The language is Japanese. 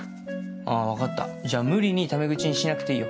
あぁ分かったじゃあ無理にタメ口にしなくていいよ。